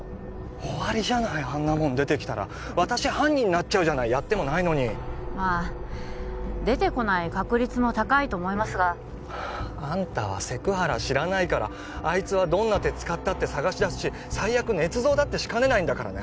終わりじゃないあんなもん出てきたら私犯人になっちゃうじゃないやってもないのにまあ出てこない確率も高いと思いますがあんたはセク原知らないからあいつはどんな手使ったって捜し出すし最悪ねつ造だってしかねないんだからね